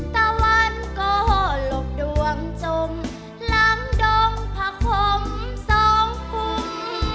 ตะวันก็หลบดวงจมหลังดงผักห่มสองกุม